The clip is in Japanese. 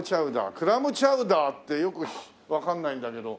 クラムチャウダーってよくわかんないんだけど。